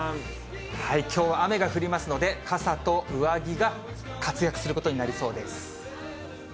きょうは雨が降りますので、傘と上着が活躍することになりそうです。